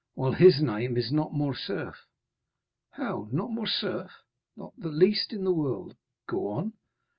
"While his name is not Morcerf." "How?—not Morcerf?" "Not the least in the world." "Go on."